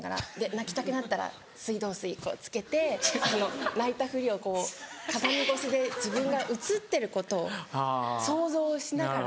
泣きたくなったら水道水付けて泣いたふりを鏡越しで自分が映ってることを想像しながら。